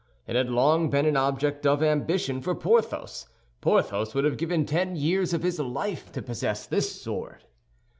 It had long been an object of ambition for Porthos. Porthos would have given ten years of his life to possess this sword.